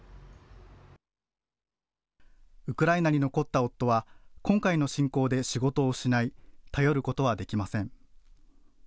ウクライナに残った夫は今回の侵攻で仕事を失い、頼ることはできません。